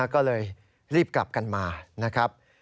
ก็เลยรีบกลับกันมานะครับ